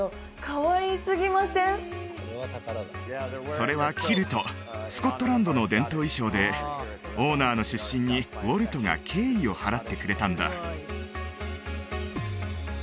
それはキルトスコットランドの伝統衣装でオーナーの出身にウォルトが敬意を払ってくれたんだ